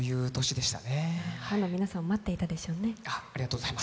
ファンの皆さん、待っていたでしょうね。